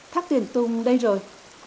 thác tuyển tung đây rồi